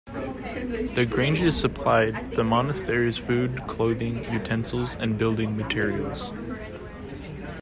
The granges supplied the monastery's food, clothing, utensils and building materials.